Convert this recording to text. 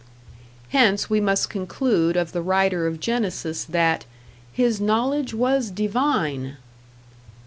Hence we must conclude of the writer of Genesis that "his knowledge was divine"!